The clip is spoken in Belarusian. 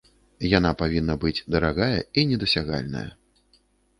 Яна павінна быць дарагая і недасягальная.